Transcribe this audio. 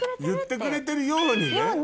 言ってくれてるようにね。